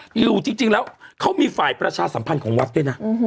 มันเคยเห็นเนอะดูจริงแล้วเขามีฝ่ายประชาสัมพันธ์ของวัดด้วยนะ